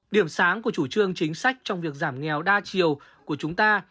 điểm sáng của chủ trương chính sách trong việc giảm nghèo đa chiều của chúng ta